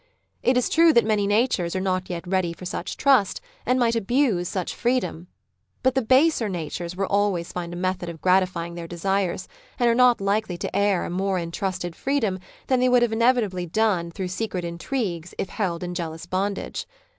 It is true that many natures are not yet ready for such trust, and might abuse such freedom. But the baser natures will always find a method of gratifying their desires, and are not likely to err more in trusted freedom than they would inevitably have done through secret intrigues if held in jealous bondage.